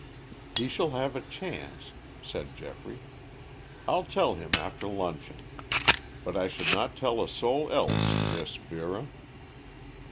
"He shall have a chance," said Geoffrey. "I'll tell him after luncheon. But I should not tell a soul else this, Vera."